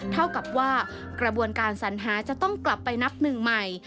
เท่ากับว่ากระบวนการสัญหาจะต้องกลับไปนับหนึ่งใหม่